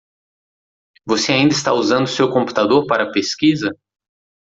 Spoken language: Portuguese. Você ainda está usando seu computador para a pesquisa?